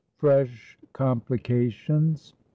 FRESH COMPLICATIONS.